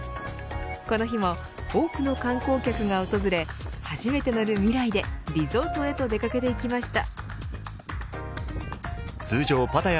この日も多くの観光客が訪れ初めて乗るＭＩＲＡＩでリゾートへと出掛けて行きました。